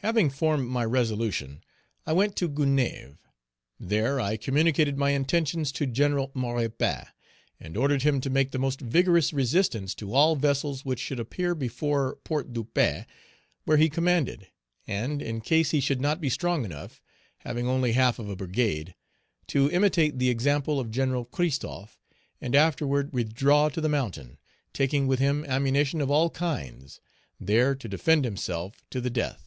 Having formed my resolution, I went to Gonaïves. There I communicated my intentions to Gen. Maurepas, and ordered Page 300 him to make the most vigorous resistance to all vessels which should appear before Port de Paix, where he commanded; and, in case he should not be strong enough, having only half of a brigade, to imitate the example of Gen. Christophe and afterward withdraw to the Mountain, taking with him ammunition of all kinds; there to defend himself to the death.